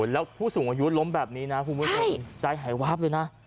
แล้วผู้สูงอายุล้มแบบนี้นะคุณผู้ชมใจหายวาบเลยนะ